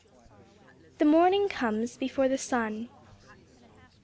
THE MORNING COMES BEFORE THE SUN.